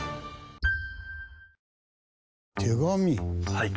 はい。